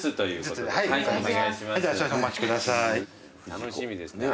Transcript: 楽しみですね